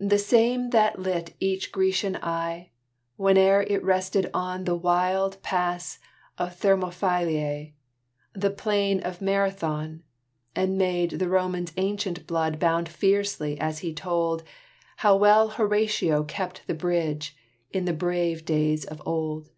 The same that lit each Grecian eye, Whene'er it rested on The wild pass of Thermopylæ The plain of Marathon; And made the Roman's ancient blood Bound fiercely as he told, "How well Horatio kept the bridge, In the brave days of old."